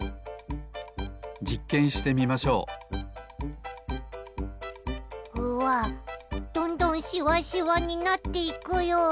じっけんしてみましょううわっどんどんしわしわになっていくよ！